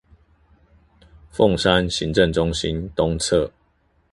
鳳山行政中心東側